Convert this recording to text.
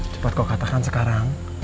cepat kau katakan sekarang